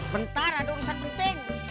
bentar ada urusan penting